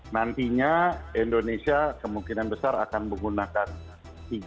karena indonesia kemungkinan besar akan menggunakan tiga lima g